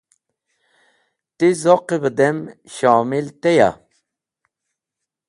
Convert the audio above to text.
Ti zoqi bẽ dem shomil teya?